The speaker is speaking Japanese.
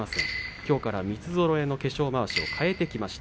きょうから三つぞろいの化粧まわしに替えてきました。